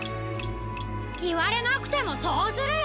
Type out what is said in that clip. いわれなくてもそうするよ！